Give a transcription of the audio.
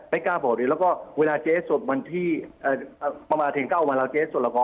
ไม่กล้าบอกเลยแล้วก็เวลาเจ๊สดวันที่ประมาณ๙วันแล้วเจ๊สดแล้วก็